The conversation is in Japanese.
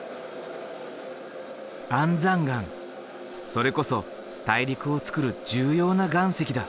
それこそ大陸をつくる重要な岩石だ。